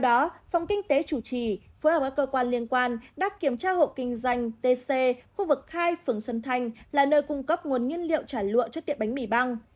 đang tiến hành thực hiện quy trình xử lý các đơn vị liên quan kiểm tra truy xuất nguồn gốc đối với cơ sở cung cấp thực phẩm cho tiệm bánh mì băng